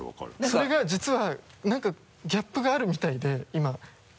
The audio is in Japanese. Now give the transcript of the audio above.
それが実は何かギャップがあるみたいで今。